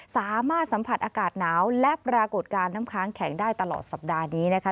สามารถสัมผัสอากาศหนาวและปรากฏการณ์น้ำค้างแข็งได้ตลอดสัปดาห์นี้นะคะ